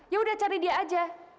ya udah cari dia aja